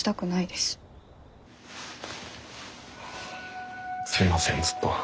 すいませんずっと。